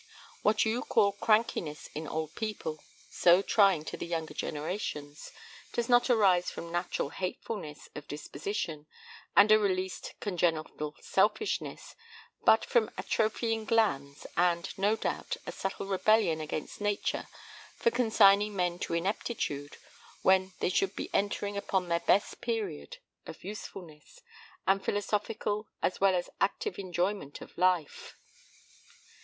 What you call crankiness in old people, so trying to the younger generations, does not arise from natural hatefulness of disposition and a released congenital selfishness, but from atrophying glands, and, no doubt, a subtle rebellion against nature for consigning men to ineptitude when they should be entering upon their best period of usefulness, and philosophical as well as active enjoyment of life.